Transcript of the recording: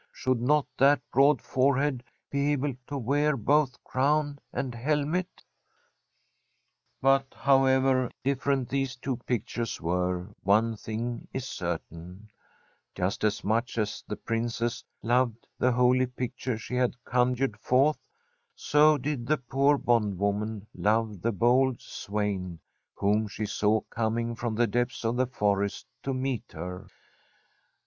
Should not that broad forehead be able to wear both crown and helmet ?' But however different these two pictures were, one thing is certain : just as much as the Prin cess loved the holy picture she had conjured forth, so did the poor bondwoman love the bold swain whom she saw coming from the depths of the forest to meet her.